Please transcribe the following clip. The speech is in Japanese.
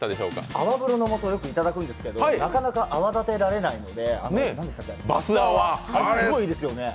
泡風呂のもとよくいただくんですけど泡立てられないのでバスアワ、あれすごいいですね。